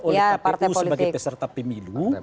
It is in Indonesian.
oleh pkp u sebagai peserta pemilu